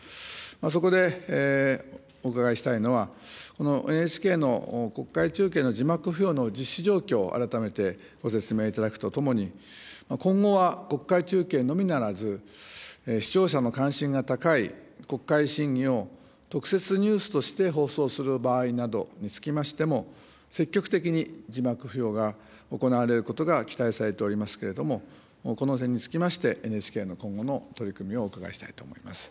そこでお伺いしたいのは、このＮＨＫの国会中継の字幕付与の実施状況を改めてご説明いただくとともに、今後は国会中継のみならず、視聴者の関心が高い国会審議を特設ニュースとして放送する場合などにつきましても、積極的に字幕付与が行われることが期待されておりますけれども、この点につきまして、ＮＨＫの今後の取り組みをお伺いしたいと思います。